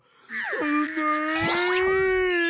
うまい！